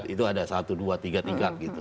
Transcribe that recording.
itu ada satu dua tiga tiga gitu